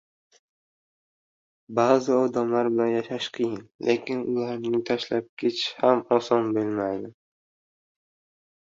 Ba’zi odamlar bilan yashash qiyin, lekin ularni tashlab ketish ham oson bo‘lmaydi.